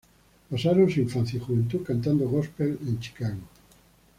Pasaron su infancia y juventud cantando gospel en Chicago.